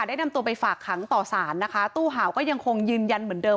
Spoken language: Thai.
ได้นำตัวไปฝากขังต่อสารนะคะตู้ห่าวก็ยังคงยืนยันเหมือนเดิม